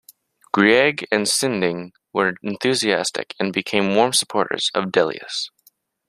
Grieg and Sinding were enthusiastic and became warm supporters of Delius.